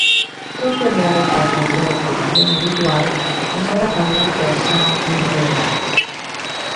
Tot i haver adoptat l'hebreu com a llengua habitual, encara parla el persa amb fluïdesa.